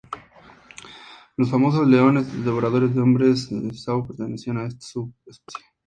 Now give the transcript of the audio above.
Los famosos leones devoradores de hombres de Tsavo pertenecían a esta subespecie.